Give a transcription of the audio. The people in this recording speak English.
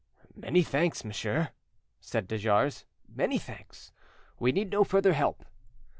"Many thanks, monsieur," said de Jars,—"many thanks; we need no further help."